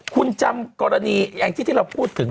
คุณจำกรณีอย่างที่ที่เราพูดถึง